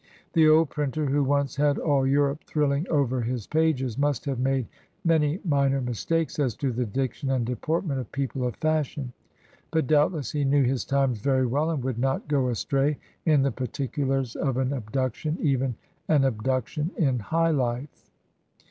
The old printer, who once had all Europe thrilling over his pages, must have made many minor mistakes as to the diction and deportment of people of fashion; but doubtless he knew his times very well, and would not go astray in the particulars of an abduction, even an abduction in high life.